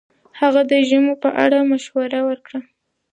هغه د ژمنو په اړه مشوره ورکړه.